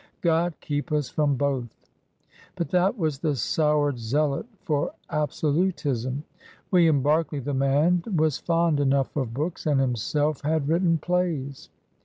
Grod keep us from both!'* But that was the soured zealot for absolutism — Will iam Berkeley the man was fond enough of books and himself had written plays.